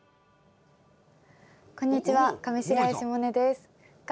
こんにちは。